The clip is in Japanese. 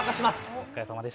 お疲れさまでした。